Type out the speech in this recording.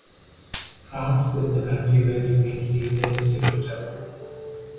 France is the country where you can see the Eiffel Tower.